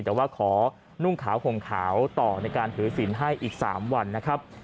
แต่ว่าขอนุ่งขาวห่มขาวต่อในการถือศิลป์ให้อีก๓วันนะครับ